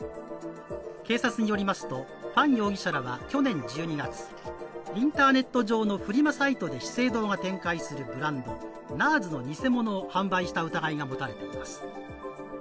警察によりますとファン容疑者らは去年１２月インターネット上のフリマサイトで資生堂が展開するブランドＮＡＲＳの偽物を販売した疑いが持たれています。